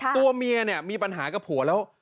ตัวเมียเนี่ยมีปัญหากับผัวแล้ว